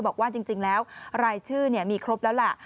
บอกว่าจริงแล้วรายชื่อมีครบแล้วล่ะ